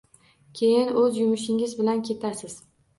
Keyin o’z yumushingiz bilan ketasiz.